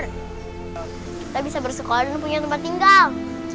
kita bisa bersekolah dan punya tempat tinggal